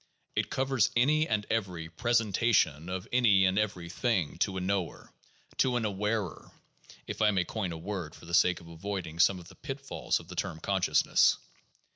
It covers any and every "presentation" of any and every thing to a knower, to an " awarer, " if I may coin a word for the sake of avoiding some of the pitfalls of the term consciousness.